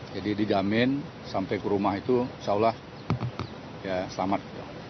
jadi didamin sampai ke rumah itu insya allah selamat